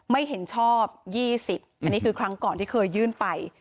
ไม่เห็นชอบ๒๐อันนี้คือครั้งก่อนที่เคยยื่นไป